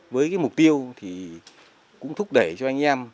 với cái mục tiêu thì cũng thúc đẩy cho anh em